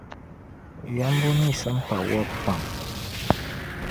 Yambu mí simpa wabu pam.